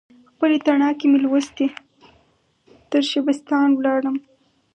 خپلې تڼاکې مې لوستي، ترشبستان ولاړمه